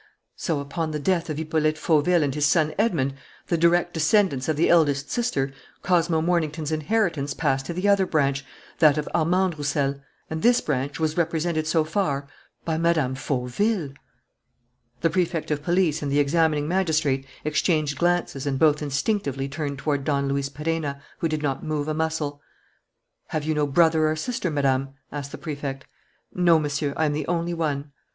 So, upon the death of Hippolyte Fauville and his son Edmond, the direct descendants of the eldest sister, Cosmo Mornington's inheritance passed to the other branch, that of Armande Roussel; and this branch was represented so far by Mme. Fauville! The Prefect of Police and the examining magistrate exchanged glances and both instinctively turned toward Don Luis Perenna, who did not move a muscle. "Have you no brother or sister, Madame?" asked the Prefect. "No, Monsieur le Préfet, I am the only one."